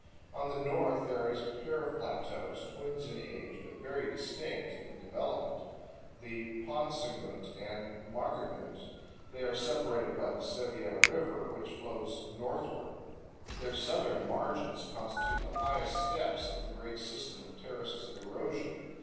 On the north there is a pair of plateaus, twins in age, but very distinct in development, the Paunsagunt and Markagunt. They are separated by the Sevier River, which flows northward. Their 98 CANYONS OF THE COLORADO. southern margins constitute the highest steps of the great system of terraces of erosion.